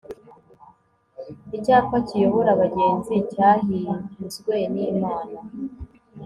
Icyapa kiyobora abagenzi cyahinzwe nImana